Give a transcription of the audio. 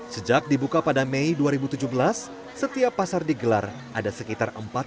sejak dibuka pada mei dua ribu tujuh belas setiap pasar di gelar ada sekitar empat wisata